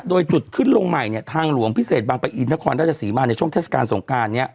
โดยจุดขึ้นลงใหม่เนี่ยทางหลวงพิเศษบางปะอินนครราชสีมาในช่วงเทศกาลสงการนี้